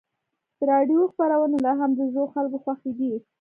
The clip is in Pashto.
د راډیو خپرونې لا هم د زړو خلکو خوښې دي.